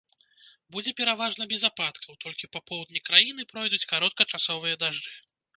Будзе пераважна без ападкаў, толькі па поўдні краіны пройдуць кароткачасовыя дажджы.